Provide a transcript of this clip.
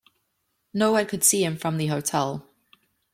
No one could see him from the hotel.